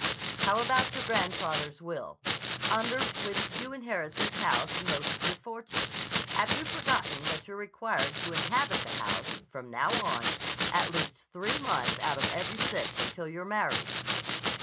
"How about your grandfather's will, under which you inherit this house and most of your fortune? Have you forgotten that you're required to inhabit the house, from now on, at least three months out of every six until you're married?"